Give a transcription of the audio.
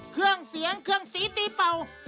เครื่องเสียงเครื่องสีตีเป่า